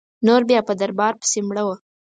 نور بیا په دربار پسي مړه وه.